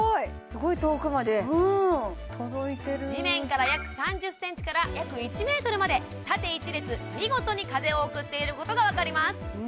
すごい遠くまで届いてるうん地面から約３０ｃｍから約１ｍまで縦一列見事に風を送っていることが分かります